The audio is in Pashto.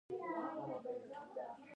موږ باید په هر فصل کې میوه وکرو.